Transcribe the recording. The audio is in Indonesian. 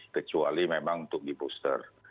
kecuali memang untuk di booster